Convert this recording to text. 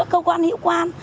cơ quan hiệu quan